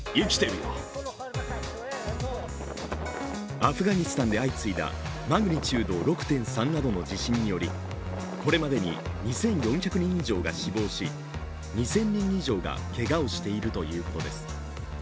アフガニスタンで相次いだマグニチュード６．３などの地震によりこれまでに２４００人以上が死亡し２０００人以上がけがをしているということです。